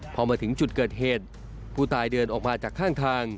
พอมาถึงจุดเกิดเหตุผู้ตายเดินออกมาจากข้างทาง